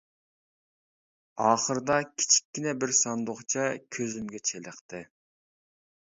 ئاخىرىدا كىچىككىنە بىر ساندۇقچە كۆزۈمگە چېلىقتى.